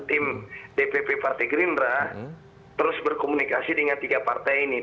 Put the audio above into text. tim dpp partai gerindra terus berkomunikasi dengan tiga partai ini